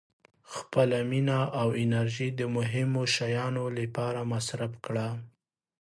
• خپله مینه او انرژي د مهمو شیانو لپاره مصرف کړه.